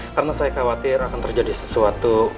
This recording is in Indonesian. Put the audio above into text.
karena saya khawatir akan terjadi sesuatu